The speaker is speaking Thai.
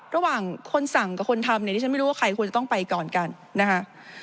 ระหว่างคนสั่งกับคนทำเนี่ยดิฉันไม่รู้ว่าใครควรจะต้องไปก่อนกันนะคะ